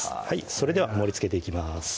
それでは盛りつけていきます